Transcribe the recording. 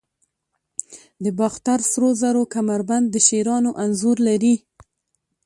د باختر سرو زرو کمربند د شیرانو انځور لري